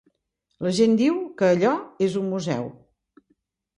La gent diu que allò és un museu.